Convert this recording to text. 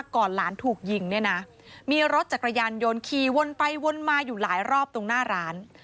หลานถูกยิงเนี่ยนะมีรถจักรยานยนต์ขี่วนไปวนมาอยู่หลายรอบตรงหน้าร้าน